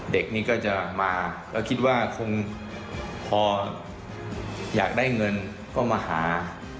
เด็กนี้ก็จะมาแล้วคิดว่าคงพออยากได้เงินก็มาหา